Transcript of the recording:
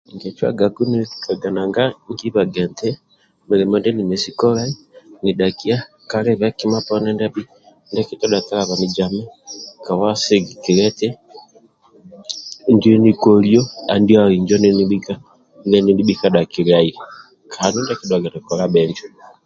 Nkicwagaku nilikaga nanga nkibaga eti mulimo ndie nibhi ka kolai nidhakia kalibe kima poni ndia akitodha talabanizami kabwa sigikilia eti ndie nikolio andihau ndie nibhi ka dhakiliai andu ndie kidhuaga nikola bhinjo